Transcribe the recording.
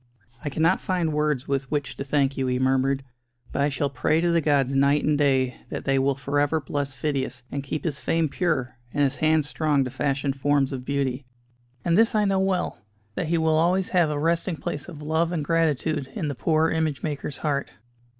"I cannot find words with which to thank you," he murmured, "but I shall pray to the gods night and day that they will for ever bless Phidias, and keep his fame pure, and his hands strong to fashion forms of beauty. And this I know well: that he will always have a resting place of love and gratitude in the poor image maker's heart."